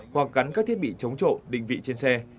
hoặc gắn các thiết bị chống trộm định vị trên xe